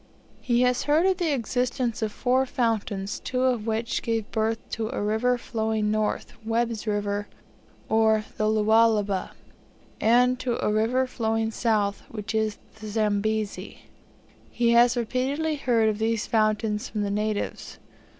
He has heard of the existence of four fountains, two of which gave birth to a river flowing north, Webb's River, or the Lualaba, and to a river flowing south, which is the Zambezi. He has repeatedly heard of these fountains from the natives.